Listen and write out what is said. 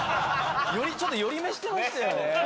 ちょっと寄り目してましたよ。